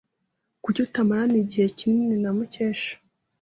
Kuki utamarana igihe kinini na Mukesha?